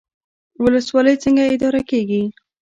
ولسوالۍ څنګه اداره کیږي؟